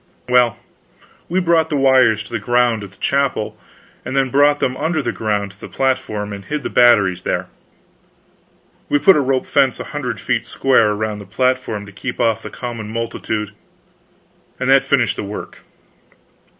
Well, we brought the wires to the ground at the chapel, and then brought them under the ground to the platform, and hid the batteries there. We put a rope fence a hundred feet square around the platform to keep off the common multitude, and that finished the work.